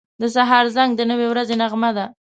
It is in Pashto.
• د سهار زنګ د نوې ورځې نغمه ده.